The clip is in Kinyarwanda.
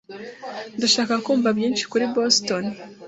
Ndashaka kumva byinshi kuri Boston.